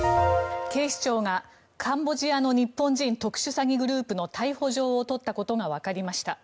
警視庁が、カンボジアの日本人特殊詐欺グループの逮捕状を取ったことがわかりました。